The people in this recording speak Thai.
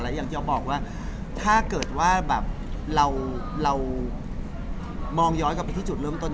อย่างที่บอกว่าถ้าเกิดว่าแบบเรามองย้อนกลับไปที่จุดเริ่มต้น